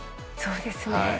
そうですね。